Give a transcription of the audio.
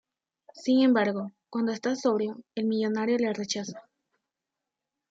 Sin embargo, cuando está sobrio, el millonario le rechaza.